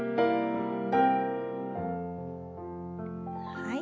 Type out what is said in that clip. はい。